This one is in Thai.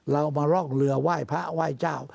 เรามาร่องเรือไหว้พระไหว้เจ้า